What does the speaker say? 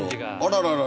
あらららら。